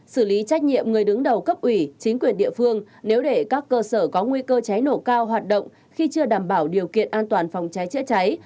xử lý trách nhiệm người đứng đầu cấp ủy chính quyền địa phương nếu để các cơ sở có nguy cơ cháy nổ cao hoạt động khi chưa đảm bảo điều kiện an toàn phòng cháy chữa cháy